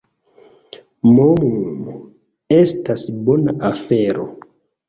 Mmm, estas bona afero.